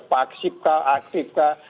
paksip kah aktif kah